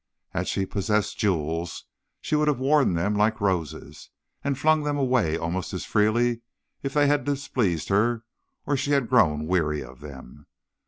Had she possessed jewels, she would have worn them like roses, and flung them away almost as freely if they had displeased her or she had grown weary of them.